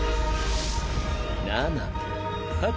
７８。